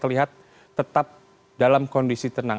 tetap dalam kondisi tenang